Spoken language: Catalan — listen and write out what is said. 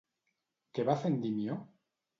Què va fer Endimió?